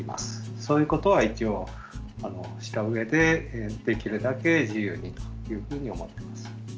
そういうことは一応した上でできるだけ自由にというふうに思ってます。